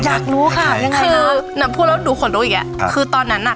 อยากรู้ค่ะยังไงคือน้ำพูดแล้วดูขนรู้อีกอ่ะคือตอนนั้นน่ะ